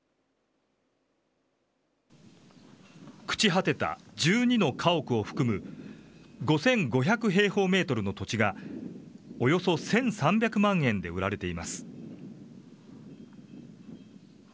朽ち果てた１２の家屋を含む、５５００平方メートルの土地が、およそ１３００万円で売られています。